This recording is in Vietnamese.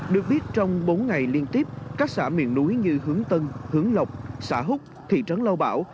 được biết trong bốn ngày liên tiếp các xã miền núi như hướng tân hướng lộc xã hút thị trấn lao bảo